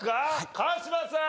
川島さん。